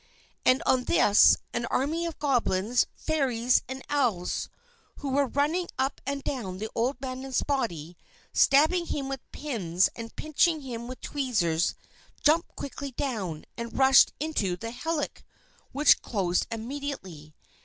_" And on this, an army of Goblins, Fairies, and Elves, who were running up and down the old man's body, stabbing him with pins, and pinching him with tweezers, jumped quickly down, and rushed into the hillock; which closed immediately.